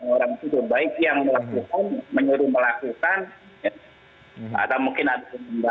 orang orang yang baik yang menyuruh melakukan atau mungkin ada yang membayar